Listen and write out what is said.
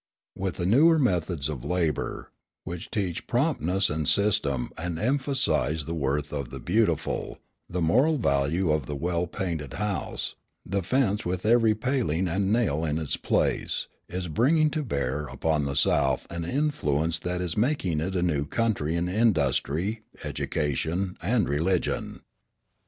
With the newer methods of labour, which teach promptness and system and emphasise the worth of the beautiful, the moral value of the well painted house, the fence with every paling and nail in its place, is bringing to bear upon the South an influence that is making it a new country in industry, education, and religion.